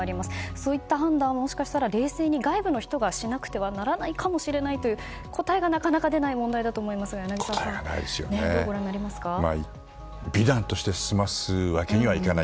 そういった判断はもしかしたら冷静に外部の人がしないといけないという答えがなかなか出ない問題だと思いますが美談として済ますわけにはいかない。